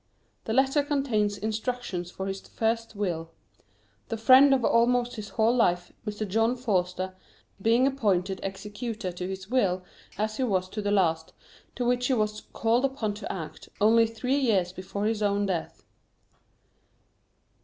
The letter contains instructions for his first will; the friend of almost his whole life, Mr. John Forster, being appointed executor to this will as he was to the last, to which he was "called upon to act" only three years before his own death.